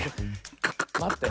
まって。